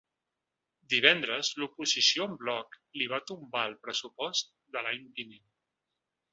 Divendres, l’oposició en bloc li va tombar el pressupost de l’any vinent.